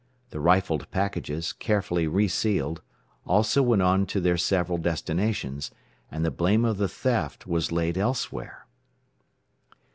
The rifled packages, carefully re sealed, also went on to their several destinations, and the blame of the theft was laid elsewhere.